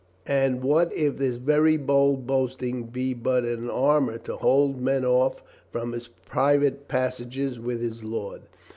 And what if this very bold boasting be but an armor to hold men off from his private passages with his Lord?